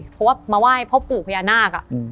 เพราะว่ามาไหว้พ่อปู่พญานาค